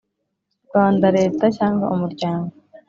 Rwanda Leta cyangwa umuryango